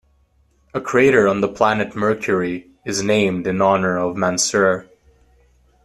A crater on the planet Mercury is named in honour of Mansur.